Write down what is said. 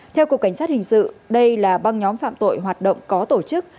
theo cục cảnh sát hình sự đây là băng nhóm phạm tội hoạt động có tổ chức